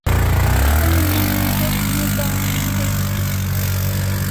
Emi Mon dek ne bahan dai